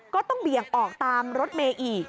ก็ต้องเบียงออกตามรถเมอีก